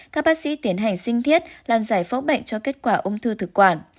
các bác sĩ tiến hành sinh thiết làm giải phóng bệnh cho kết quả ung thư thực quản